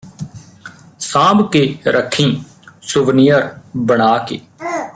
ਸਾਂਭ ਕੇ ਰੱਖੀਂ ਸੁਵਨਿਅਰ ਬਣਾ ਕੇ